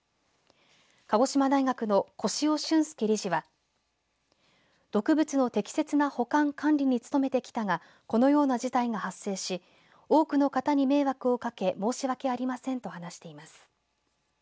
鹿児島大学の越塩俊介理事は毒物の適切な保管管理に努めてきたがこのような事態が発生し多くの方に迷惑をかけ申し訳ありませんと話しています。